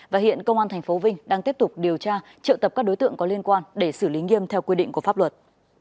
và hiện công an tp vinh đang tiếp tục điều tra trợ tập các đối tượng có liên quan để xử lý nghiêm theo quy định của pháp luật